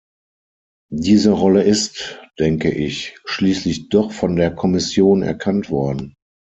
Diese Rolle ist, denke ich, schließlich doch von der Kommission erkannt worden.